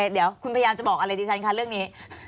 เดี๋ยวคุณพยายามจะบอกอะไรดิฉันคะเรื่องนี้